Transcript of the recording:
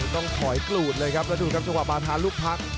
ต้องขอยกลูดเลยครับและดูครับช่วงกับบาทารูปพรรค